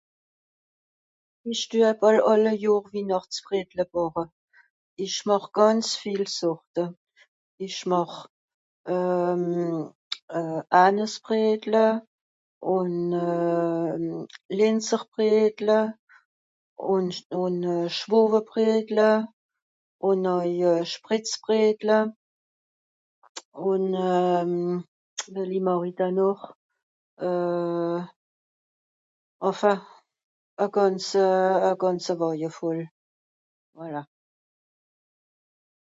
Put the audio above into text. ìsch due bàl àlle johr winàchtsbredle bàche ìsch màch gànz viel sòrte ìsch màch euh anìsbredle ùn euh lìnzerbredle ùn schwoevebredle ùn euj sprìtzbredle ùn euh welli màch'i dann nòch euh enfin à gànze à gànze weuje fòll voilà